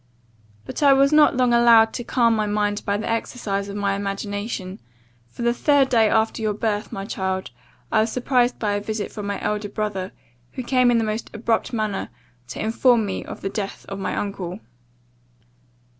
But I was not long allowed to calm my mind by the exercise of my imagination; for the third day after your birth, my child, I was surprised by a visit from my elder brother; who came in the most abrupt manner, to inform me of the death of my uncle.